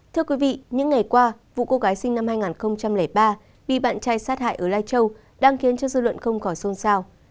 thưa quý vị những ngày qua vụ cô gái sinh năm hai nghìn ba bị bạn trai sát hại ở lai châu đang khiến cho dư luận không khỏi xôn xao